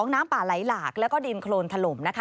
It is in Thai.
๒น้ำป่าไหลหลากและก็ดินโคลนถล่ม